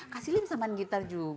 kasih liat bisa main gitar juga